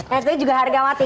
yang satunya juga harga mati